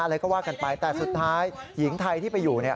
อะไรก็ว่ากันไปแต่สุดท้ายหญิงไทยที่ไปอยู่เนี่ย